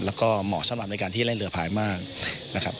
แล้วก็เหมาะสำหรับในการที่ไล่เรือพายมากนะครับ